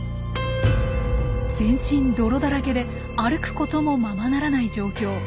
全身泥だらけで歩くこともままならない状況。